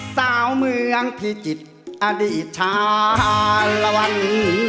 สาวเมืองพิจิตรอดีตชาลวัน